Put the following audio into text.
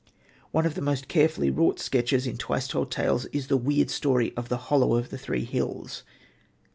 One of the most carefully wrought sketches in Twice Told Tales is the weird story of The Hollow of the Three Hills.